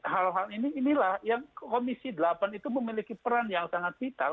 hal hal ini inilah yang komisi delapan itu memiliki peran yang sangat vital